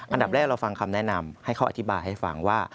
อันดับแรกเราฟังคำแนะนำให้เขาอธิบายให้ฟังว่า